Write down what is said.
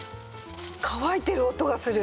乾いてる音がする。